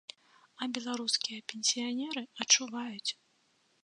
А беларускія пенсіянеры адчуваюць!